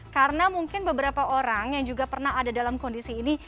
karena mungkin beberapa orang yang juga pernah ada dalam kondisi ini